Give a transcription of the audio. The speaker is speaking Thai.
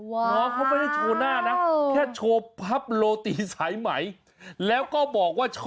ว้าว